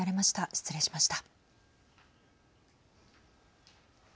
失礼しました。